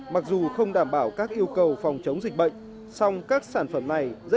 mặc dù không đảm bảo các yêu cầu phòng chống dịch bệnh song các sản phẩm này rất khó bị phá